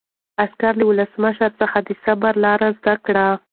عسکر له ولسمشر څخه د صبر لاره زده کړه.